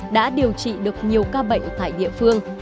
đã điều trị được nhiều ca bệnh tại địa phương